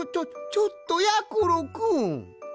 ちょっとやころくん！